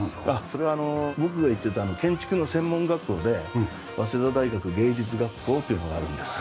それは僕が行っていた建築の専門学校で早稲田大学芸術学校というのがあるんです。